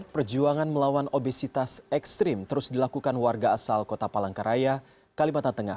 perjuangan melawan obesitas ekstrim terus dilakukan warga asal kota palangkaraya kalimantan tengah